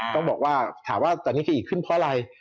ต้องบอกว่าถามว่าแต่นี่คืออีกขึ้นเพราะอะไร